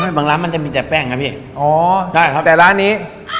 บางร้านมันจะมีแต่แป้งนะพี่อ๋อใช่ครับแต่ร้านนี้